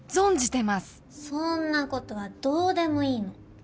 そんなことはどうでもいいの。